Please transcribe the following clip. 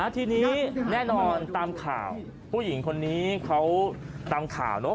ทีนี้แน่นอนตามข่าวผู้หญิงคนนี้เขาตามข่าวเนอะ